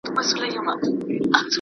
¬ ښه په پښه نه پيداکېږي.